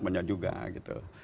banyak juga gitu